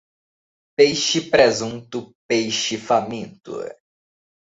Peixe presunto, peixe faminto.